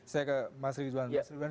saya ke mas ridwan